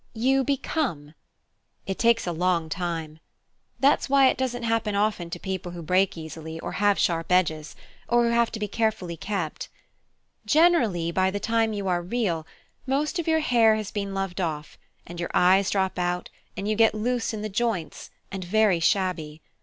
"You become. It takes a long time. That's why it doesn't happen often to people who break easily, or have sharp edges, or who have to be carefully kept. Generally, by the time you are Real, most of your hair has been loved off, and your eyes drop out and you get loose in the joints and very shabby.